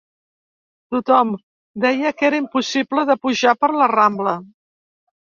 Tothom deia que era impossible de pujar per la Rambla.